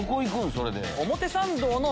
それで。